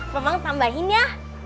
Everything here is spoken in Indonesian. memang tambahin ya